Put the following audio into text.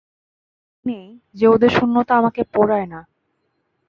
এমন একটা দিন নেই যে ওদের শূন্যতা আমাকে পোড়ায় না।